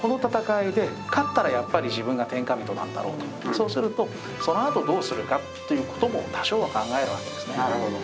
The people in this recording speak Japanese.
そうするとそのあとどうするかっていう事も多少は考えるわけですね。